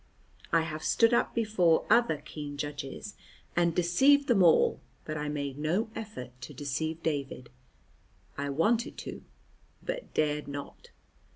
I have stood up before other keen judges and deceived them all, but I made no effort to deceive David; I wanted to, but dared not.